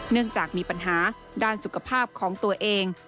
เนื่องจากมีปัญหาด้านสุขภาพของตัวเอง